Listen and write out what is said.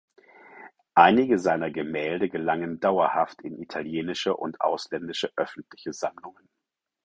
Einige seiner Gemälde gelangen dauerhaft in italienische und ausländische öffentliche Sammlungen.